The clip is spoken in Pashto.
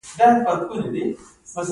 پښتون زرغون ځمکې ولې حاصلخیزه دي؟